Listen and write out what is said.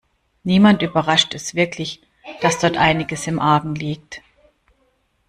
Niemanden überrascht es wirklich, dass dort einiges im Argen liegt.